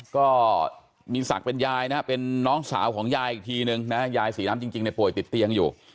ก็มีศักดิ์เป็นยายนะเป็นน้องสาวของยายอีกทีนึงนะยายศรีน้ำจริงเนี่ยป่วยติดเตียงอยู่